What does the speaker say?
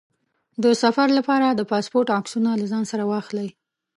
د سفر لپاره د پاسپورټ عکسونه له ځان سره واخلئ.